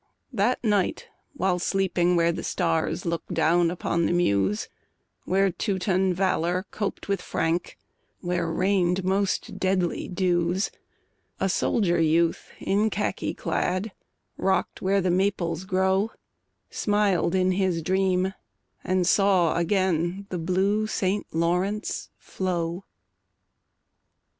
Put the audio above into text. That night while sleeping where the stars Look down upon the Meuse, Where Teuton valor coped with Frank, Where rained most deadly dews, A soldier youth in khaki clad, Rock'd where the Maples grow, Smiled in his dream and saw again The blue St. Lawrence flow.